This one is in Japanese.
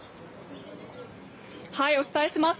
お伝えします。